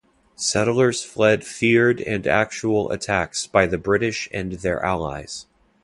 Settlers fled feared and actual attacks by the British and their allies.